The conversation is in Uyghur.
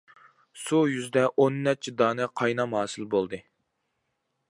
سۇ يۈزىدە ئون نەچچە دانە قاينام ھاسىل بولدى.